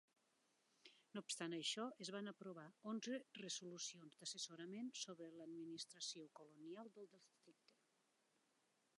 No obstant això, es van aprovar onze resolucions d'assessorament sobre l'administració colonial de districte.